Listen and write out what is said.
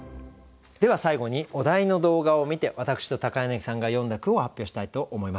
では最後にお題の動画を観て私と柳さんが詠んだ句を発表したいと思います。